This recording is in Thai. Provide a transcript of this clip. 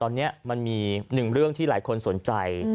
ตอนนี้มันมีหนึ่งเรื่องที่หลายคนสนใจ